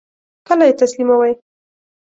کله یی تسلیموئ؟